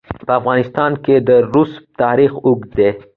په افغانستان کې د رسوب تاریخ اوږد دی.